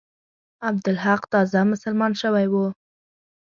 عبدالحق تازه مسلمان شوی وو.